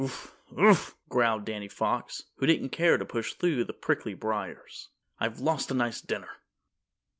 "Oof! oof!" growled Danny Fox, who didn't care to push through the prickly briars, "I've lost a nice dinner."